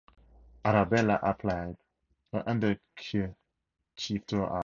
Arabella applied her handkerchief to her eyes.